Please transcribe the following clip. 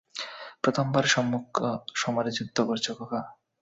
প্রথমবার সম্মুখ সমরে যুদ্ধ করছ, খোকা?